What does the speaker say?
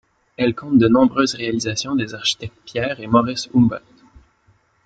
Elle compte de nombreuses réalisations des architectes Pierre et Maurice Humbert.